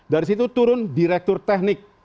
dari situ turun direktur teknik